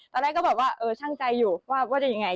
ตอนแรกก็บอกว่าเออช่างใจอยู่ว่าจะยังไง